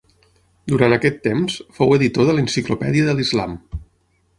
Durant aquest temps, fou editor de l'enciclopèdia de l'Islam.